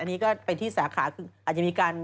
อันนี้ก็เป็นที่สาขาคืออาจจะมีการ